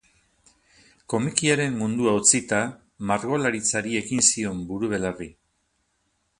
Komikiaren mundua utzita, margolaritzari ekin zion buru-belarri.